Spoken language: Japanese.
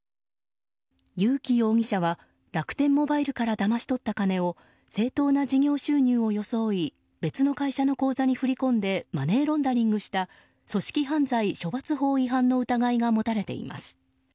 友紀容疑者は楽天モバイルからだまし取った金を正当な授業収入を装い別の会社の口座に振り込んでマネーロンダリングした組織犯罪処罰法違反の疑いが持たれています。